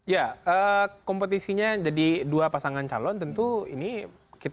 ya kompetisinya jadi dua pasangan calon tentu ini kita